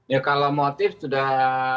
ya kalau motif sudah